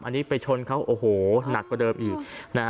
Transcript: อันนี้ไปชนเขาโอ้โหหนักกว่าเดิมอีกนะฮะ